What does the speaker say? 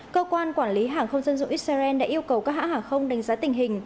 cơ quan quản lý hàng không dân dụng israel đã yêu cầu các hãng hàng không đánh giá tình hình